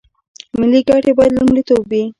ملي ګټې باید لومړیتوب وي